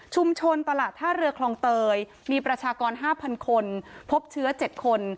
ตลาดท่าเรือคลองเตยมีประชากร๕๐๐คนพบเชื้อ๗คน